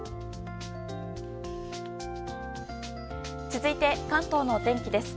続いて、関東の天気です。